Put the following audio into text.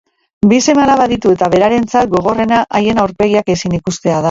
Bi seme-alaba ditu, eta berarentzat gogorrena haien aurpegiak ezin ikustea da.